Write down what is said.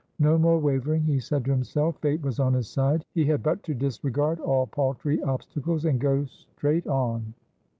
No more wavering, he said to himself. Fate was on his side. He had but to disregard all paltry obstacles, and go straight on.